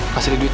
kasih dia duit